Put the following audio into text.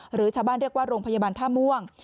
หรือชาวบ้านเรียกว่าโรงพยาบาลท่าม่วง